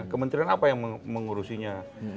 kementerian apa yang mengurusinya